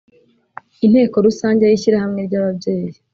Inteko Rusange y Ishyirahamwe ry Ababyeyi